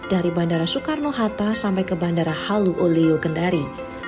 dari bandara soekarno hatta sampai ke bandara halu olio kendari